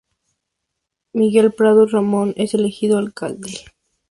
Miguel Prados Ramón es elegido alcalde.